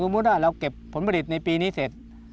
ว่าเราเก็บผลผลิตในปีนี้เสร็จ